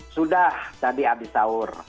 sudah tadi habis sahur